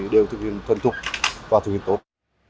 đều thực hiện thuận thục và thực hiện tốt